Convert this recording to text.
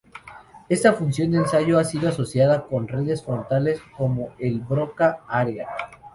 Esta función de ensayo ha sido asociada con redes frontales como el Broca área.